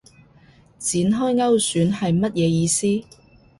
展開勾選係乜嘢意思